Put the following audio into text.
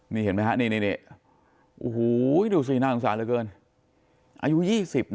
นี่เห็นไหมครับโอ้โหดูสิน่าสงสารเหลือเกิน